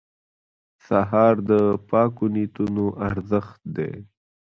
سهار د پاکو نیتونو ارزښت دی.